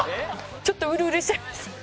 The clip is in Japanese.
ちょっとウルウルしちゃいます。